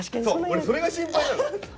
俺それが心配なの。